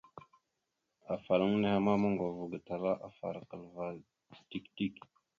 Afalaŋa nehe ma moŋgov ava gatala afarəkal ava dik dik.